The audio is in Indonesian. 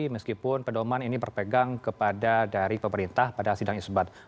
meskipun pedoman ini berpegang kepada dari pemerintah pada sidang isbat